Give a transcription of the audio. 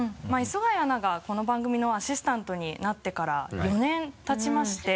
磯貝アナがこの番組のアシスタントになってから４年たちまして。